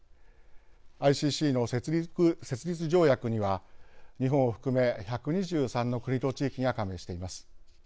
ＩＣＣの設立条約には日本を含め１２３の国と地域が加盟しています。